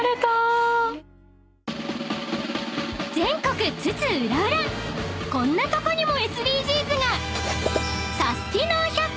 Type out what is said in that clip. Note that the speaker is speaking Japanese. ［全国津々浦々こんなとこにもＳＤＧｓが！］